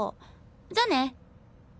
じゃあね。